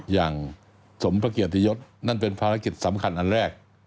อย่างสมพระเกียรติยศนั่นเป็นภารกิจสำคัญอันแรก